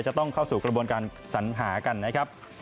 จะต้องเข้าสู่กระบวนการสัญหากันนะครับ